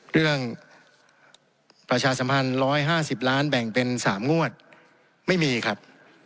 ประชาสัมพันธ์๑๕๐ล้านแบ่งเป็น๓งวดไม่มีครับ